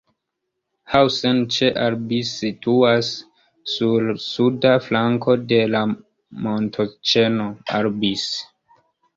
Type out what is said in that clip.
Hausen ĉe Albis situas sur la suda flanko de la montoĉeno Albis.